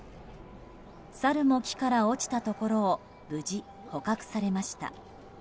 猿も木から落ちたところを無事、捕獲されました。